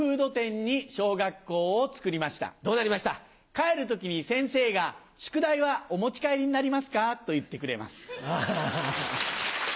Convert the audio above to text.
帰る時に先生が「宿題はお持ち帰りになりますか」と言ってくれます。